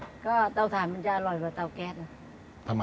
แล้วก็เตาถ่านมันจะอร่อยกว่าเตาแก๊ส